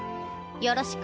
よろしく。